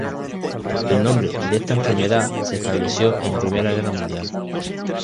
El nombre de esta enfermedad se estableció en la Primera Guerra Mundial.